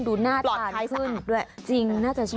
ดูน่าต่างขึ้นจริงน่าจะชอบกัน